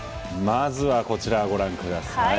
まずはこちらご覧ください。